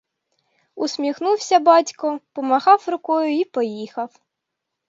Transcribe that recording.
Усміхнувся батько, помахав рукою й поїхав.